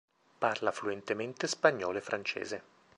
Parla fluentemente spagnolo e francese.